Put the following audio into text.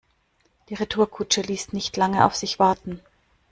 Die Retourkutsche ließ nicht lange auf sich warten.